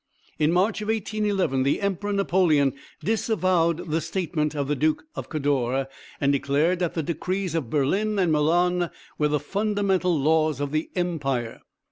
In March, 1811, the Emperor Napoleon disavowed the statement of the Duke of Cadore, and declared that "the decrees of Berlin and Milan were the fundamental laws of the empire."